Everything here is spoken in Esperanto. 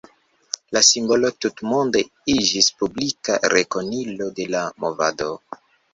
La simbolo tutmonde iĝis publika rekonilo de la movado.